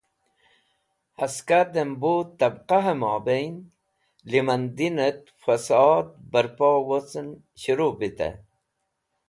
Haska dem bu tabqahe mobain limandinet fasod barpo wocen shuru vitey.